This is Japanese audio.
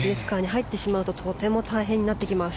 入ってしまうととても大変になってしまいます。